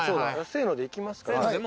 せのでいきますか？